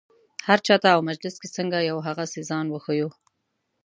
هر چا ته او مجلس کې څنګه یو هغسې ځان وښیو.